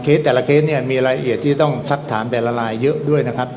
แต่ละเคสเนี่ยมีรายละเอียดที่ต้องสักถามแต่ละลายเยอะด้วยนะครับ